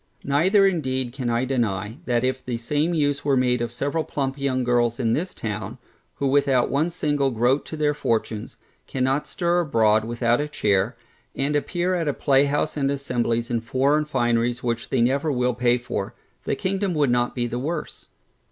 Neither indeed can I deny, that if the same use were made of several plump young girls in this town, who without one single groat to their fortunes, cannot stir abroad without a chair, and appear at a playhouse and assemblies in foreign fineries which they never will pay for, the kingdom would not be the worse.